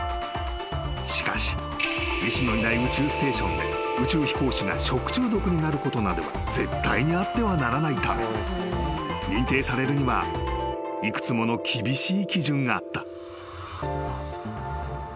［しかし医師のいない宇宙ステーションで宇宙飛行士が食中毒になることなどは絶対にあってはならないため認定されるには幾つもの厳しい基準があった］